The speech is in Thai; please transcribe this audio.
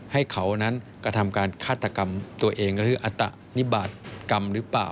ให้เขานั้นกระทำการฆาตกรรมตัวเองก็คืออัตนิบาตกรรมหรือเปล่า